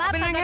ya pindah nop